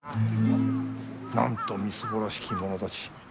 なんとみすぼらしき者たち。